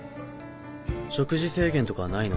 食事制限とかはないの？